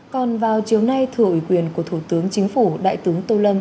còn vào chiều nay thủ ủy quyền của thủ tướng chính phủ đại tướng tâu lâm